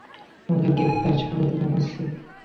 আমাদের প্রোগ্রামে স্বাগত জানাচ্ছি!